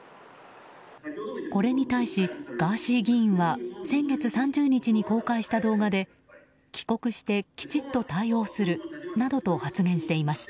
これに対し、ガーシー議員は先月３０日に公開した動画で帰国してきちっと対応するなどと発言していました。